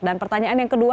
dan pertanyaan yang kedua